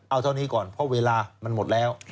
เอาเท่านี้ก่อนเพราะเวลามันหมดแล้ว